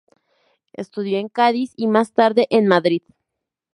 Estudió en Cádiz y más tarde en Madrid.